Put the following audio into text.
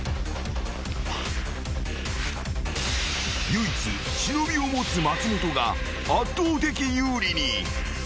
［唯一忍を持つ松本が圧倒的有利に］